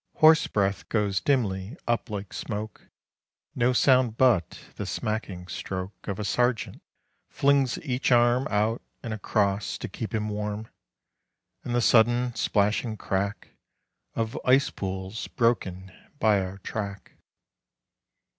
Horse breath goes dimly up like smoke. No sound but the smacking stroke Of a sergeant flings each arm Out and across to keep him warm, And the sudden splashing crack Of ice pools broken by our track.